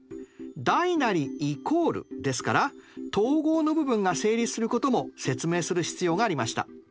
≧ですから等号の部分が成立することも説明する必要がありました。